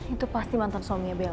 itu pasti mantan suaminya bell